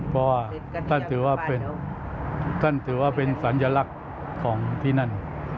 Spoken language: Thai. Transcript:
เพราะว่าท่านถือว่าเป็นสัญลักษณ์ของที่นั่น